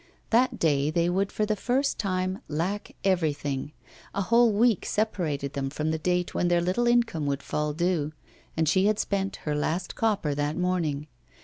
That day they would for the first time lack everything; a whole week separated them from the date when their little income would fall due, and she had spent her last copper that morning.